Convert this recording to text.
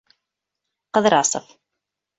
Ҡыҙрасов.